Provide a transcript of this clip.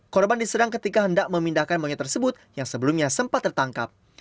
korban diserang ketika hendak memindahkan monyet tersebut yang sebelumnya sempat tertangkap